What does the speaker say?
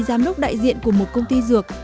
giám đốc đại diện của một công ty dược